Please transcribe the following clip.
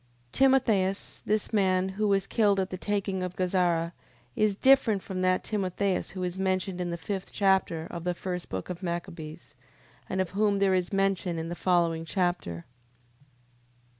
Timotheus... This man, who was killed at the taking of Gazara, is different from that Timotheus who is mentioned in the fifth chapter of the first book of Machabees, and of whom there is mention in the following chapter.